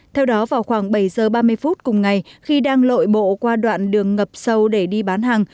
theo đó vào khoảng bảy giờ ba mươi phút cùng ngày khi đang lội bộ qua đoạn đường ngập sâu để đi bán hàng